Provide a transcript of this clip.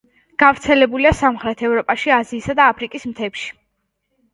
გავრცელებულია სამხრეთ ევროპაში, აზიისა და აფრიკის მთებში.